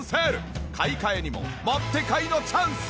買い替えにももってこいのチャンス！